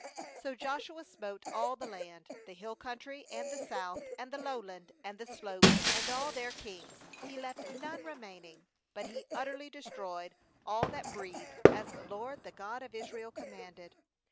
40So Joshua smote all the land, the hill country, and the South, and the Lowland, and the slopes, and all their kings; he left none remaining; but he utterly destroyed all that breathed, as the LORD, the God of Israel, commanded.